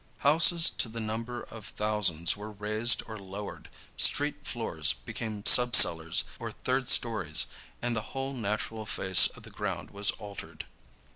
Houses to the number of thousands were raised or lowered, street floors became subcellars or third stories and the whole natural face of the ground was altered.